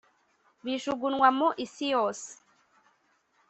bijugunywa mu isi yose